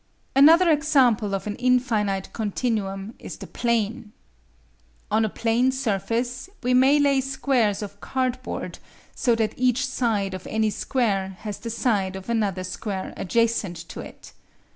Another example of an infinite continuum is the plane. On a plane surface we may lay squares of cardboard so that each side of any square has the side of another square adjacent to it.